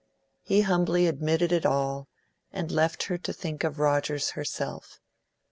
He humbly admitted it all, and left her to think of Rogers herself.